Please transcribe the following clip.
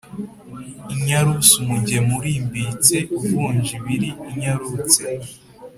inyarurse umugemo unlmbitse uvunje ibiri inyarutse ;